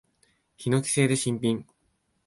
ヒノキ製で新品。